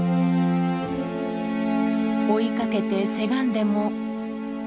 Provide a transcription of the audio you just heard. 追いかけてせがんでも。